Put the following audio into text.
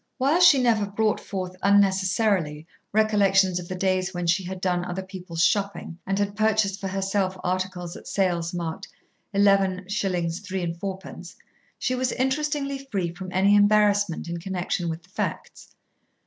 While she never brought forth unnecessarily recollections of the days when she had done other people's shopping and had purchased for herself articles at sales marked 11 3/4_d_, she was interestingly free from any embarrassment in connection with the facts.